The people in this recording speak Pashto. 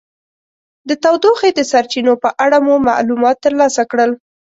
د تودوخې د سرچینو په اړه مو معلومات ترلاسه کړل.